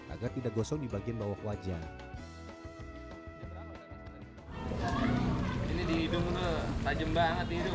agar tidak gosong di bagian bawah wajah